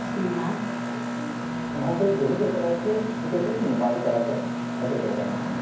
このホームページで見て頂いてすいている時にお参り頂いても大丈夫でございますので。